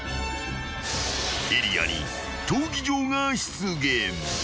［エリアに闘技場が出現］